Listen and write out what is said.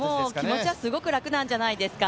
気持ちはすごく楽なんじゃないですか。